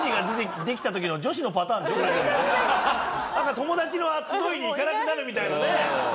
友達の集いに行かなくなるみたいなね。